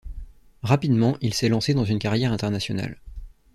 Rapidement, il s'est lancé dans une carrière internationale.